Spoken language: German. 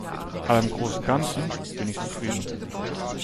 Aber im Großen und Ganzen bin ich zufrieden.